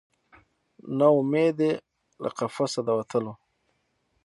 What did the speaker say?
نه امید یې له قفسه د وتلو